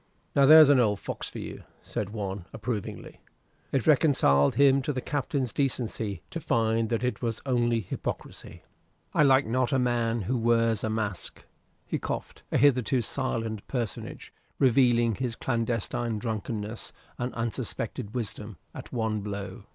"Now there's an old fox for you," said one, approvingly, It reconciled him to the Captain's decency to find that it was only hypocrisy. "I like not a man who wears a mask," hiccoughed a hitherto silent personage, revealing his clandestine drunkenness and unsuspected wisdom at one blow.